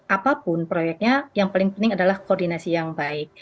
apapun proyeknya yang paling penting adalah koordinasi yang baik